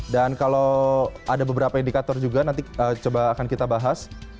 dan kalau ada beberapa indikator juga nanti coba akan kita bahas